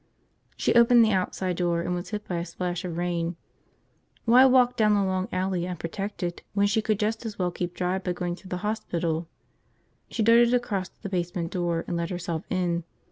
She opened the outside door and was hit by a splash of rain. Why walk down the long alley, unprotected, when she could just as well keep dry by going through the hospital? She darted across to the basement door and let herself in.